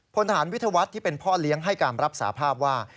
พลฐานวิทยาวัฒน์ที่เป็นพ่อเลี้ยงให้การรับสาภาพว่า